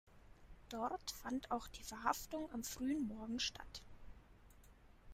Dort fand auch die Verhaftung am frühen Morgen statt.